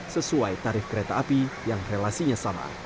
sesuai tarif kereta api yang relasinya sama